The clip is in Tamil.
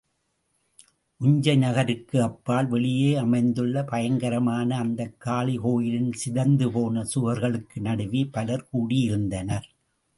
உஞ்சை நகருக்கு அப்பால் வெளியே அமைந்துள்ள பயங்கரமான அந்தக் காளிகோயிலின் சிதைந்துபோன சுவர்களுக்கு நடுவே பலர் கூடியிருந்தனர்.